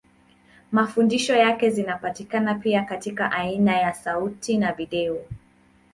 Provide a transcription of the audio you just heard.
Mafundisho yake zinapatikana pia katika aina ya sauti na video.